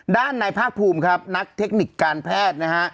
ด้านในภาคภูมิครับนักเทคนิคการแพทย์นะฮะ